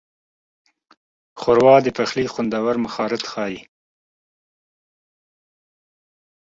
ښوروا د پخلي خوندور مهارت ښيي.